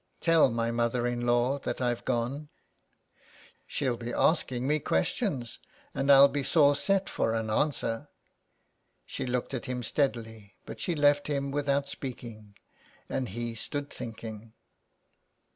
Tell my mother in law that I've gone." " She'll be asking me questions and I'll be sore set for an answer." She looked at him steadily, but she left him without speaking, and he stood thinking. 83 SOME PARISHIONERS.